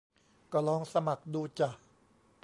ก็ลองสมัครดูจ่ะ